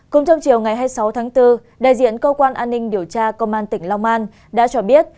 cũng trong chiều ngày hai mươi sáu tháng bốn đại diện cơ quan an ninh điều tra công an tỉnh long an đã cho biết